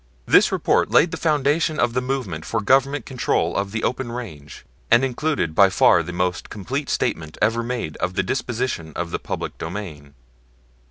This report laid the foundation of the movement for Government control of the open range, and included by far the most complete statement ever made of the disposition of the public domain.